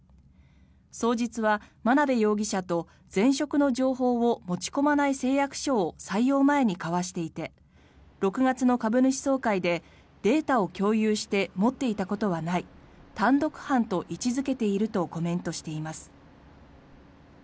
双日は眞鍋容疑者と前職の情報を持ち込まない誓約書を採用前に交わしていて６月の株主総会でデータを共有して持っていたことはない単独犯と位置付けているとコメントしています。